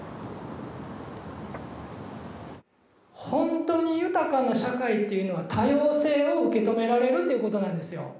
ほんとに豊かな社会っていうのは多様性を受け止められるっていうことなんですよ。